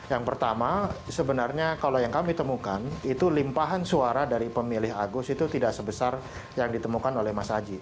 yang pertama sebenarnya kalau yang kami temukan itu limpahan suara dari pemilih agus itu tidak sebesar yang ditemukan oleh mas haji